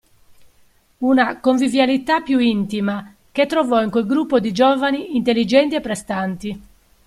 Una convivialità più intima, che trovò in quel gruppo di giovani intelligenti e prestanti.